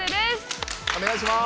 お願いします。